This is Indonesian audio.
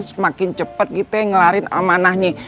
semakin cepet kita ngelarin amanahnya